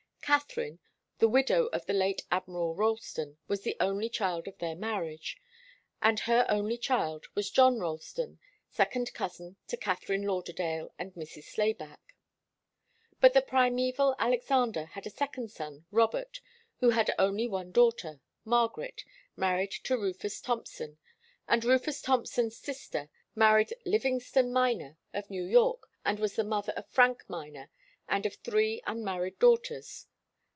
Katharine, the widow of the late Admiral Ralston, was the only child of their marriage, and her only child was John Ralston, second cousin to Katharine Lauderdale and Mrs. Slayback. But the primeval Alexander had a second son Robert, who had only one daughter, Margaret, married to Rufus Thompson. And Rufus Thompson's sister married Livingston Miner of New York, and was the mother of Frank Miner and of three unmarried daughters.